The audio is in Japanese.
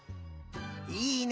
いいね！